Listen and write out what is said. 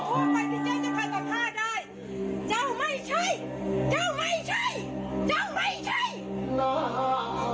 ว่าเจ้าไม่ใช่เพราะรายดาลนี้นะครับ